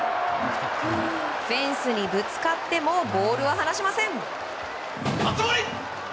フェンスにぶつかってもボールは離しません。